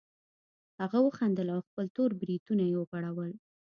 هغه وخندل او خپل تور بریتونه یې وغوړول